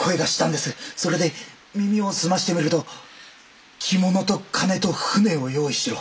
それで耳を澄ましてみると「着物と金と船を用意しろ。